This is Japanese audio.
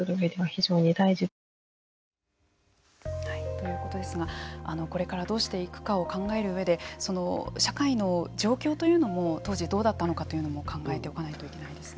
ということですがこれからどうしていくかを考えるうえで社会の状況というのも当時どうだったのかというのも考えておかないといけないですね。